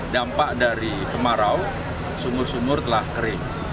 dampak dari kemarau sumur sumur telah kering